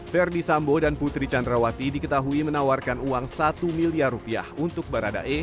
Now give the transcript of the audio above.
ferdi sambo dan putri candrawati diketahui menawarkan uang satu miliar rupiah untuk barada e